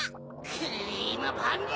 クリームパンダ！